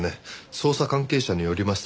「捜査関係者によりますと」